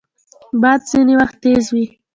باد ځینې وخت تیز وي